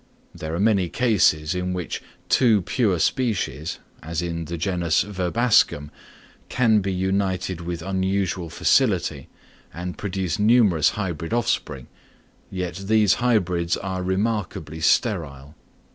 There are many cases, in which two pure species, as in the genus Verbascum, can be united with unusual facility, and produce numerous hybrid offspring, yet these hybrids are remarkably sterile.